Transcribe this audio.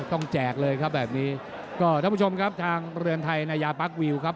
แจกเลยครับแบบนี้ก็ท่านผู้ชมครับทางเรือนไทยนายาปั๊กวิวครับ